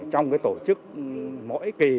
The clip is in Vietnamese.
trong cái tổ chức mỗi kỳ